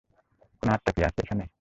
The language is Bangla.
কোনো আত্মা কি আছে এখানে?